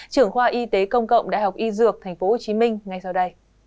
trưởng khoa y tế công cộng đại học y dược tp hcm ngay sau đây